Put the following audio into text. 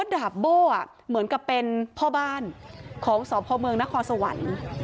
ดาบโบ้เหมือนกับเป็นพ่อบ้านของสพเมืองนครสวรรค์